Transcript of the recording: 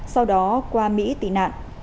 sau đó qua mỹ tị nạn